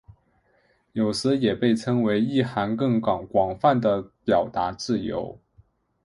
有时也被称为意涵更广泛的表达自由。